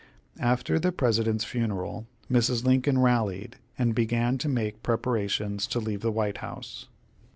After the President's funeral Mrs. Lincoln rallied, and began to make preparations to leave the White House.